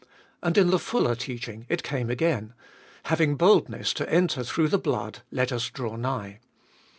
And in the fuller teaching it came again : Having boldness to enter through the blood, let us draw nigh.